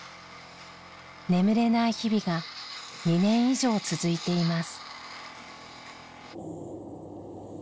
眠れない日々が２年以上続いています。